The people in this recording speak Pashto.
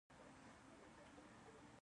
د رنګینو او ښکلو میوو کور.